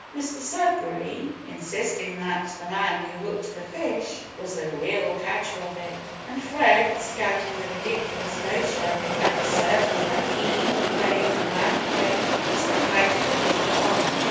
Mr Sudberry insisting that the man who hooked the fish was the real catcher of it, and Fred scouting the ridiculous notion, and asserting that he who played and landed it was entitled to all the honour.